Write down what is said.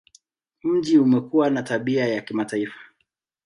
Mji umekuwa na tabia ya kimataifa.